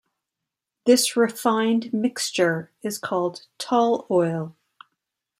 This refined mixture is called tall oil.